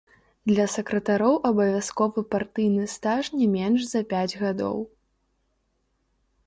Для сакратароў абавязковы партыйны стаж не менш за пяць гадоў.